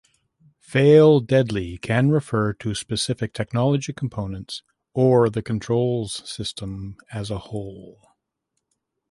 Fail-deadly can refer to specific technology components, or the controls system as a whole.